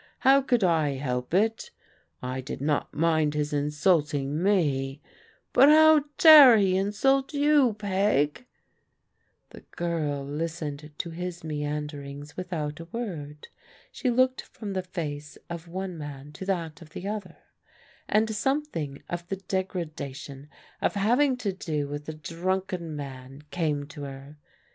How could I help it? I did not mind his insulting me, but how dare he insult you, Peg ?" The g^rl listened to his meanderings without a word. She looked from the face of one man to that of the other, and something of the degradation of having to do with a drunken man came to her.